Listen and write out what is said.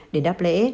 đến đắp lễ